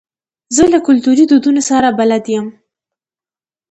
زه له کلتوري دودونو سره بلد یم.